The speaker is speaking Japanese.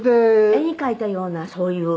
「絵に描いたようなそういう」